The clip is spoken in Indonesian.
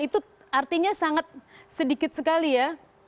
itu artinya sangat sedikit sekali ya